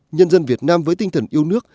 nhân dân việt nam với tinh thần yêu nước